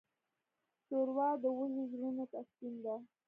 ښوروا د وږو زړونو تسکین ده.